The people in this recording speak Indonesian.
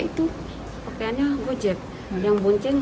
yang buncing gak koseh itu